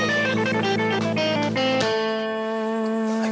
ya udah deh bik